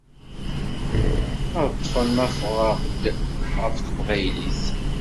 Ay-ṭfen ma fɣeɣ-d ɣef teqbaylit-iw.